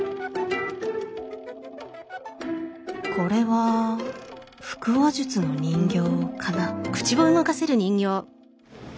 これは腹話術の人形かな。